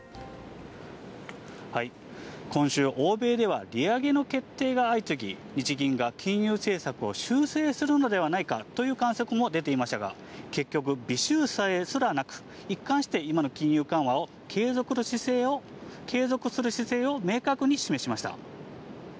今週、欧米では利上げの決定が相次ぎ、日銀が金融政策を修正するのではないかという観測も出ていましたが、結局、微修正すらなく、一貫して今の金融緩和を継続する姿勢を明確に示しました。